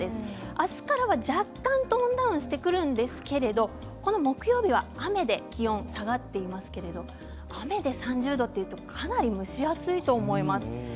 明日からは若干トーンダウンをしてくるんですが、木曜日は雨で気温が下がっていますが雨で３０度というとかなり蒸し暑いと思います。